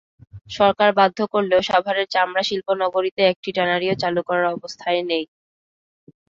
সরকার বাধ্য করলেও সাভারের চামড়া শিল্পনগরীতে একটি ট্যানারিও চালু করার অবস্থায় নেই।